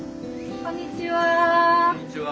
こんにちは。